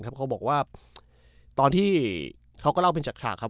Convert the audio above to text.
เขาบอกว่าเธอเล่าเป็นฉักคลาก